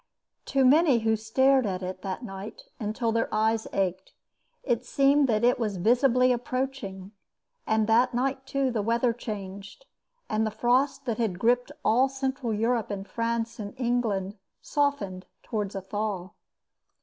To many who stared at it that night until their eyes ached, it seemed that it was visibly approaching. And that night, too, the weather changed, and the frost that had gripped all Central Europe and France and England softened towards a thaw.